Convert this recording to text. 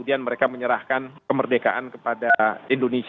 dan yang ketiga yang penting